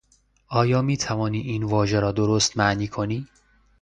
آیا میتوانی این واژه را درست معنی کنی؟